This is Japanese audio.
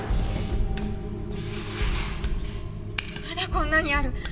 まだこんなにある！